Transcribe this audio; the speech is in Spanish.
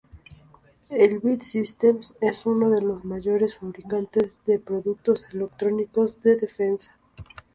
Elbit Systems es uno de los mayores fabricantes de productos electrónicos de defensa.